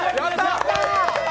やった！